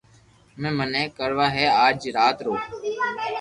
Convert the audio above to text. ھمي مني ڪر وہ ھي ڪي آج رات رو